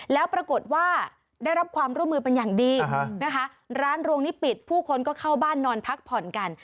แล้วปรากฏว่าได้รับความร่วมมือเป็นอย่างดีนะคะร้านรวงนี้ปิดผู้คนก็เข้าบ้านนอนพักผ่อนกัน